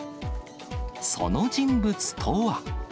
その人物とは。